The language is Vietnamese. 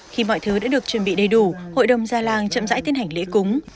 khi mọi thứ đã được chuẩn bị đầy đủ hội đồng gia làng chậm dãi tiến hành lễ cúng